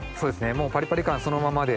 もうパリパリ感そのままで。